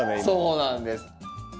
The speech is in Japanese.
そうなんです。